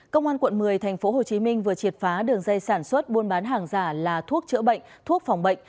công an quận một mươi tp hcm vừa triệt phá đường dây sản xuất buôn bán hàng giả là thuốc chữa bệnh thuốc phòng bệnh